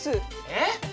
えっ！